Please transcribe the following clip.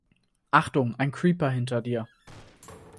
Achtung, ein Creeper hinter dir!